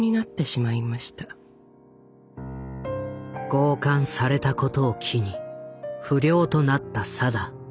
強姦されたことを機に不良となった定。